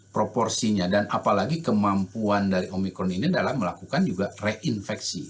proporsinya dan apalagi kemampuan dari omikron ini adalah melakukan juga reinfeksi